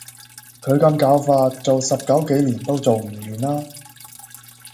佢咁攪法，做十九幾年都做唔完啦